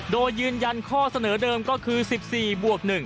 โดยยืนยันข้อเสนอเดิมก็คือ๑๔บวก๑